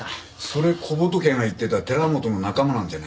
それ小仏が言ってた寺本の仲間なんじゃねえの？